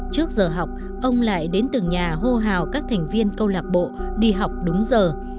trước giờ học ông lại đến từng nhà hô hào các thành viên câu lạc bộ đi học đúng giờ